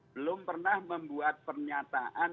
belum pernah membuat pernyataan